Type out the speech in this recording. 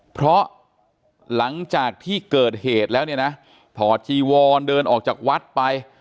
เพราะหลังจากที่เกิดเหตุแล้วเนี่ยนะถอดจีวรเดินออกจากวัดไป